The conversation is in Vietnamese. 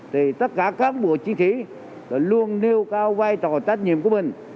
tất cả cán bộ chiến sĩ luôn nêu cao vai trò tác nhiệm của mình